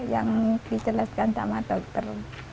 yang dijelaskan sama dokter